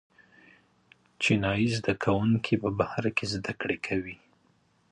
چینايي زده کوونکي په بهر کې زده کړې کوي.